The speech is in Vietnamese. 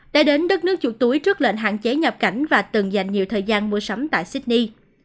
đã đến đất nước chuột túi trước lệnh hạn chế nhập cảnh và từng dành nhiều thời gian mua sắm tại sydney